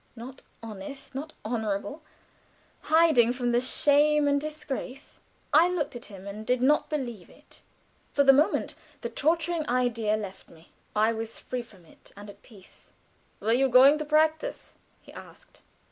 "Not honest, not honorable. Hiding from shame and disgrace." I looked at him and did not believe it. For the moment the torturing idea left me. I was free from it and at peace. "Were you going to practice?" he asked.